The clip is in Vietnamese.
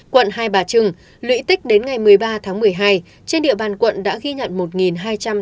quận hai bà trưng lũy tích đến ngày một mươi ba tháng một mươi hai trên địa bàn quận đã ghi nhận